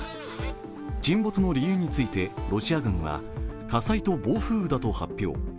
沈没の理由についてロシア軍は、火災と暴風雨だと発表。